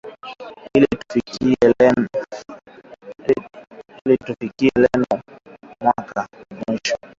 Ili tufikie lengo letu mwaka wa elfu mbili ishirini na tatu ushindi wa kishindo.